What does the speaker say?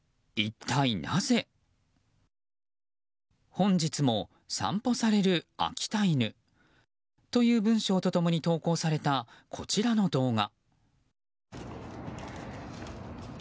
「本日も散歩される秋田犬」という文章と共に投稿されたこちらの動画。